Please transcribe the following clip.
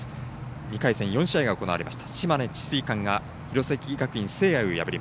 ２回戦、４試合が行われました。